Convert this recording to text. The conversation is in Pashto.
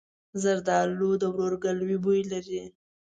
زردالو د ورورګلوۍ بوی لري.